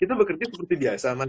kita bekerja seperti biasa